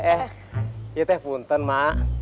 eh ya teh punten mak